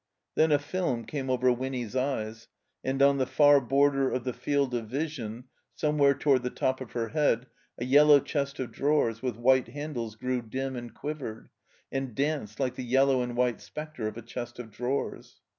Then a fihn came over Winny's eyes, and on the far border of the field of vision, somewhere toward the top of her head, a yellow chest of drawers with white handles grew dim and quivered and danced like the yellow and white specter of a chest of drawers.